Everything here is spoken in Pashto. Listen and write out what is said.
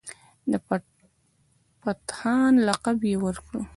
د پتهان لقب یې ورکړ.